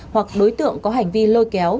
hoặc đối tượng có hành vi lôi kéo